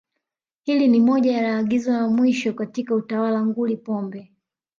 Hili ni moja ya agizo la mwisho katika utawala nguri Pombe